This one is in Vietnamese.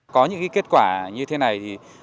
có những kết quả như thế này